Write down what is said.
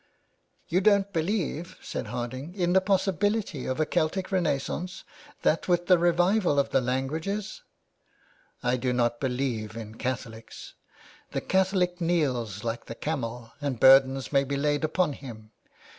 *' You don't believe," said Harding, '' in the possi bility of a Celtic renaissance — that with the revival of the languages ?"I do not believe in Catholics. The Catholic kneels like the camel, that burdens may be laid upon him.